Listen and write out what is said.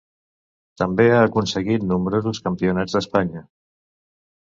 També ha aconseguit nombrosos Campionats d'Espanya.